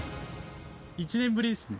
１年ぶりですね。